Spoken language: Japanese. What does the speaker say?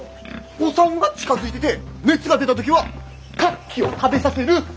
お産が近づいてて熱が出た時は柿を食べさせる！